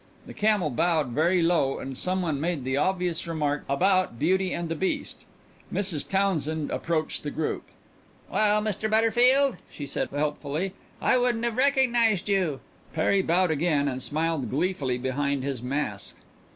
The camel bowed very low and some one made the obvious remark about beauty and the beast. Mrs. Townsend approached the group. "Well, Mr. Butterfield," she said helpfully, "I wouldn't have recognised you." Perry bowed again and smiled gleefully behind his mask.